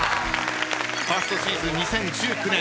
ファーストシーズン２０１９年。